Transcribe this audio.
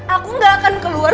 aku gak akan keluar